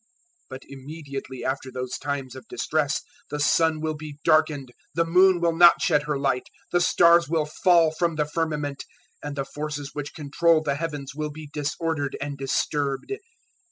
024:029 "But immediately after those times of distress the sun will be darkened, the moon will not shed her light, the stars will fall from the firmament, and the forces which control the heavens will be disordered and disturbed.